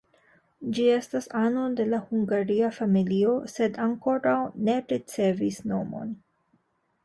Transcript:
Ĝi estas ano de la hungaria familio sed ankoraŭ ne ricevis nomon.